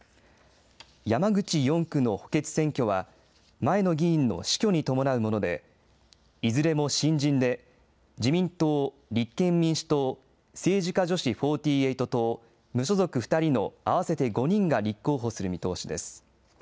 山口４区の補欠選挙は、前の議員の死去に伴うもので、いずれも新人で自民党、立憲民主党、政治家女子４８党、無所属２人の合わせて５人が立候補する見通しです。